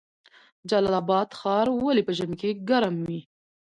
جلال اباد ښار ولې په ژمي کې ګرم وي؟